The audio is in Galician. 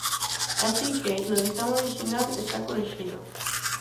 Así que, no ditame orixinal está corrixido.